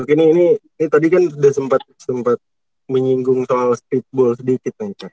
oke ini ini tadi kan udah sempat sempat menyinggung soal streetball sedikit nih kak